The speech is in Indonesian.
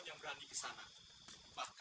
mau jadi kayak gini sih salah buat apa